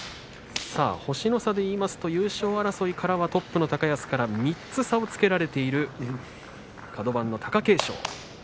星の差でいいますと優勝争いからトップの高安から３つ差をつけられているカド番の貴景勝。